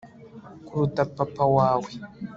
kuruta papa wawe